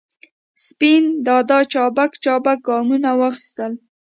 سپین دادا چابک چابک ګامونه واخستل.